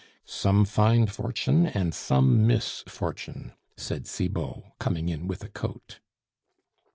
"Some find fortune and some miss fortune," said Cibot, coming in with a coat.